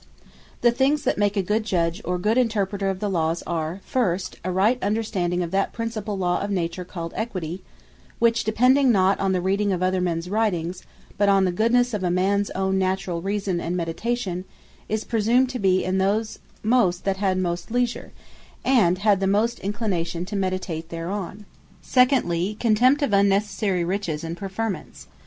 The things that make a good Judge, or good Interpreter of the Lawes, are, first A Right Understanding of that principall Law of Nature called Equity; which depending not on the reading of other mens Writings, but on the goodnesse of a mans own naturall Reason, and Meditation, is presumed to be in those most, that have had most leisure, and had the most inclination to meditate thereon. Secondly, Contempt Of Unnecessary Riches, and Preferments.